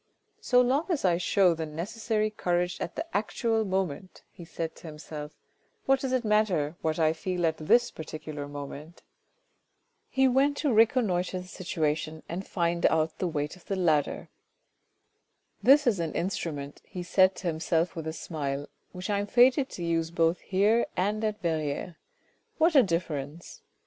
"So long as I show the necessary courage at the actual moment," he said to himself, " what does it matter what I feel at this particular moment ?" He went to reconnoitre the situation and find out the weight of the ladder. "This is an instrument," he said to himself with a smile, " which I am fated to use both here and at Verrieres. What a difference